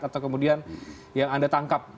atau kemudian yang anda tangkap